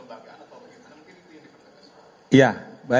kelembagaan atau bagaimana mungkin itu yang diperkirakan